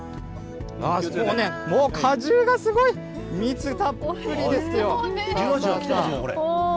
こうね、もう果汁がすごい、蜜たっぷりですよ。